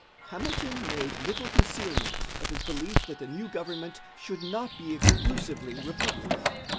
Hamilton made little concealment of his belief that the new government should not be exclusively republican.